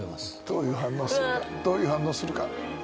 どういう反応するか？